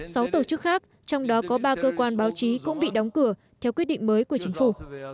sáu tổ chức khác trong đó có ba cơ quan báo chí cũng bị đóng cửa theo quyết định mới của chính phủ